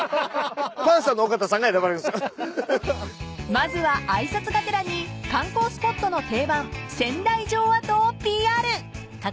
［まずは挨拶がてらに観光スポットの定番仙台城跡をＰＲ］